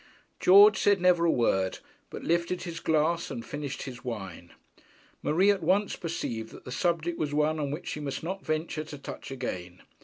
George said never a word, but lifted his glass and finished his wine. Marie at once perceived that the subject was one on which she must not venture to touch again.